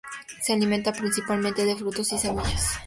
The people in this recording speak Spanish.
Se alimenta principalmente de frutos y semillas.